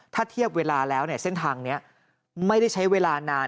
ถ้าเทียบเวลาแล้วเส้นทางนี้ไม่ได้ใช้เวลานาน